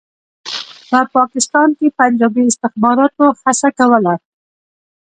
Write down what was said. په پاکستان کې پنجابي استخباراتو هڅه کوله.